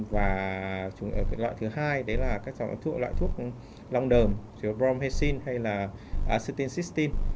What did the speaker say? và cái loại thứ hai đấy là các loại thuốc long đờm bromhexin hay là acetylcysteine